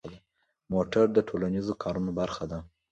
موټر د ټولنیزو کارونو برخه ده.